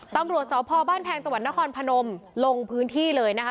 ตำรวจสพบ้านแพงจังหวัดนครพนมลงพื้นที่เลยนะคะ